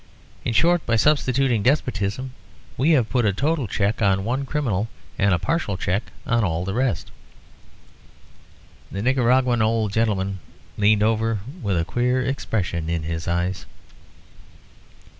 In short, by substituting despotism we have put a total check on one criminal and a partial check on all the rest." The Nicaraguan old gentleman leaned over with a queer expression in his eyes.